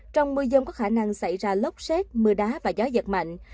trong mưa dông có khả năng xảy ra lốc xét mưa đá và gió giật mạnh